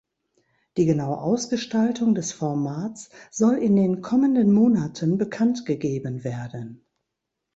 Die genaue Ausgestaltung des Formats soll in den kommenden Monaten bekannt gegeben werden.